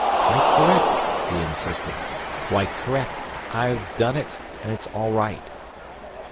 "Quite correct," he insisted; "quite correct. I've done it, and it's all right."